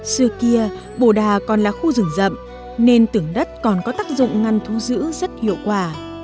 xưa kia bồ đà còn là khu rừng rậm nên tưởng đất còn có tác dụng ngăn thú giữ rất hiệu quả